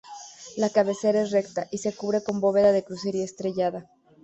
La cabecera es recta y se cubre con bóveda de crucería estrellada.